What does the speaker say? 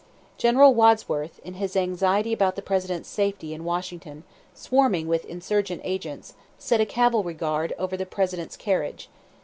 General Wadsworth, in his anxiety about the President's safety in Washington, swarming with insurgent agents, set a cavalry guard over the President's carriage.